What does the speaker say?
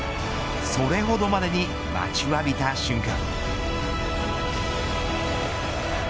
それほどまでに待ちわびた瞬間。